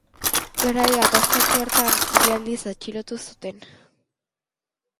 Garai gatazkatsu hartan, bi aldiz atxilotu zuten.